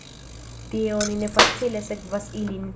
Tie oni ne facile sekvas ilin.